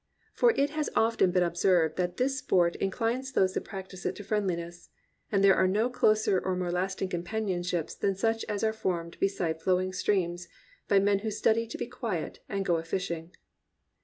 For it has often been observed that this sport inclines those that practise it to friendliness; and there are no closer or morfe lasting companionships than such as are formed beside flowing streams by men who study to be quiet and go a fishing.